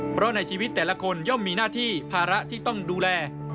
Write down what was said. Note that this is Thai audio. เพราะในชีวิตแต่ละคนย่อมมีหน้าที่ภาระที่ต้องดูแล